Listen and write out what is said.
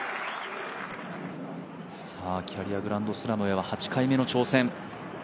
キャリアグランドスラムへは８回目の挑戦。